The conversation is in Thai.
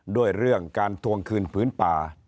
ด้วยเรื่องการทวงคืนผืนป่า